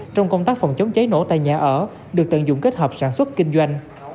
trong công tác phòng chống cháy nổ tại nhà ở được tận dụng kết hợp sản xuất kinh doanh